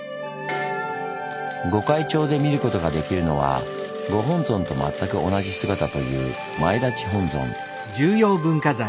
御開帳で見ることができるのはご本尊と全く同じ姿という前立本尊。